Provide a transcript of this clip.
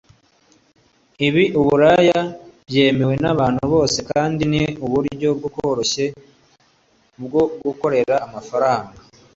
ibi [uburaya] byemewe n’abantu bose kandi ni uburyo bworoshye bwo gukorera amafaranga […] Mu mujyi hari utuzi duke